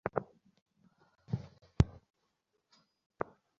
এর বাইরে তাদের জন্য আরেকটা বড় কাজ আছে বলে মনে হয়।